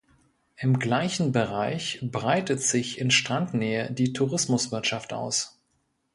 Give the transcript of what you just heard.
Im gleichen Bereich breitet sich in Strandnähe die Tourismuswirtschaft aus.